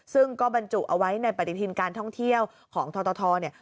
ซึ่งก็บรรจุเอาไว้ในปฏิทินการท่องเที่ยวของททเนี่ย